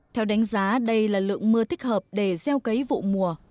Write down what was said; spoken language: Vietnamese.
theo đánh giá đây là lượng mưa thích hợp để gieo cấy vụ mùa